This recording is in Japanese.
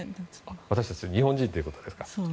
私たちというのは日本人ということですか？